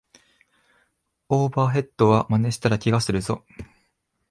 オーバーヘッドはまねしたらケガするぞ